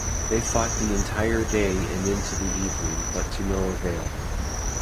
They fought the entire day and into the evening but to no avail.